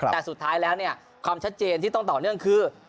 แต่สุดท้ายแล้วเนี่ยความชัดเจนที่ต้องต่อเนื่องคือ